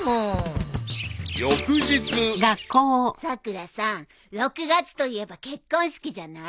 ［翌日］さくらさん６月といえば結婚式じゃない？